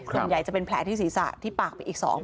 ส่วนใหญ่จะเป็นแผลที่ศีรษะที่ปากไปอีก๒